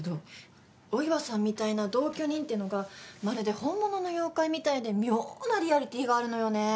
お岩さんみたいな同居人っていうのがまるで本物の妖怪みたいで妙なリアリティーがあるのよね。